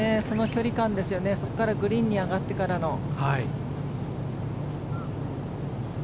その距離感ですよね、そこからグリーンに上がってからの。